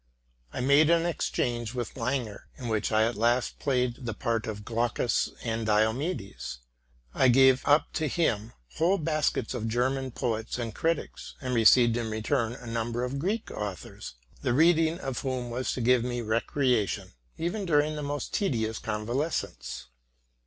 JI made an exchange with Langer, in which I at last played the part of Glaucus and Diomedes: I gave up to him whole baskets of German poets and critics, and received in return a number of Greek authors, the reading of whom was to give me recre ation, even during the most tedious convalescence.